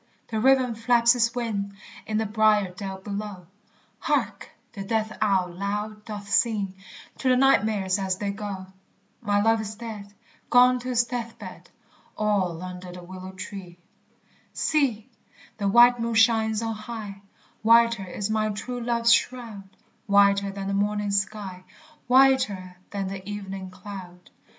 the raven flaps his wing In the briered dell below; Hark! the death owl loud doth sing To the nightmares as they go. My love is dead, etc. See! the white moon shines on high; Whiter is my true love's shroud, Whiter than the morning sky, Whiter than the evening cloud.